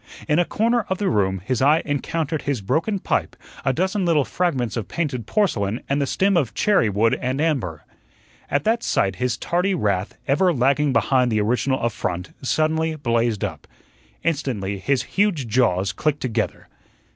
In a corner of the room his eye encountered his broken pipe, a dozen little fragments of painted porcelain and the stem of cherry wood and amber. At that sight his tardy wrath, ever lagging behind the original affront, suddenly blazed up. Instantly his huge jaws clicked together.